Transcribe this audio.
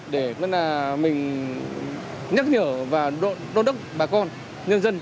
để mình nhắc nhở và đôn đốc bà con nhân dân